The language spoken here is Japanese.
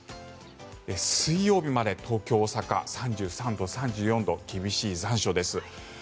水曜日まで東京、大阪３３度、３４度厳しい残暑です。